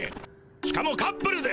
しかもカップルで。